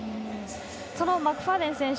そのマクファーデン選手